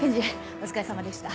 お疲れさまでした。